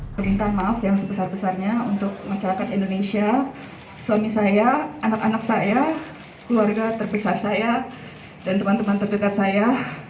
perintah maaf yang sebesar besarnya untuk masyarakat indonesia suami saya anak anak saya keluarga terbesar saya dan teman teman terdekat saya